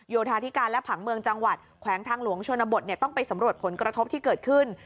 โยธาธิการและผังเมืองจังหวัดแขวงทางหลวงชนบทต้องไปสำรวจผลกระทบที่เกิดขึ้น